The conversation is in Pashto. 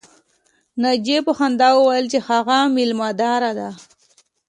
ناجیې په خندا وویل چې هغه مېلمه داره ده